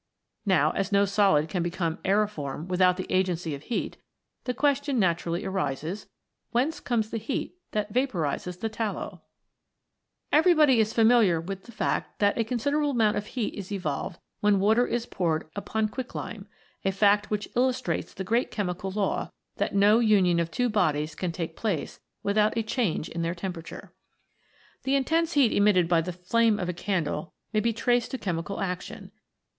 Now as no solid can become aeriform without the agency of heat, the question naturally arises whence comes the heat that vaporizes the tallow ? 32 THE FOUR ELEMENTS. Everybody is familiar with the fact, that a con siderable amouut of heat is evolved when water is poured upon quicklime, a fact which illustrates the great chemical law, that no union of two bodies can take place without a change in their temperature. The intense heat emitted by the flame of a candle may be traced to chemical action.